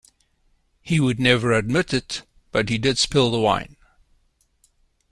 He would never admit it, but he did spill the wine.